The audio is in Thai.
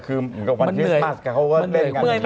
เออมันเหนื่อย